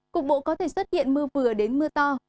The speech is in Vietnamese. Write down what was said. cục bộ có thể xuất hiện mưa vừa đến mưa to